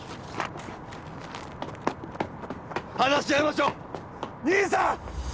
話し合いましょう兄さん！